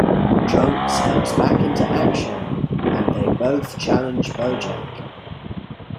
Trunks comes back into action and they both challenge Bojack.